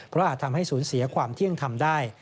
เพราะอาจทำให้สูญเสียความเที่ยงธรรมได้